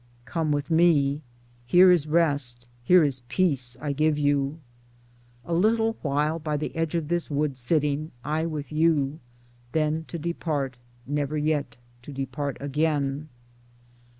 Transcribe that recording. Come with me. Here is Rest, here is Peace I give you. A little while by the edge of this wood sitting, I with You ; then to depart ; yet never to depart again.